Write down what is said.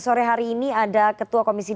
sore hari ini ada ketua komisi tiga